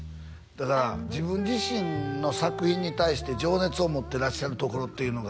「だから自分自身の作品に対して」「情熱を持ってらっしゃるところっていうのが」